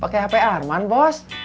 pakai hp arman bos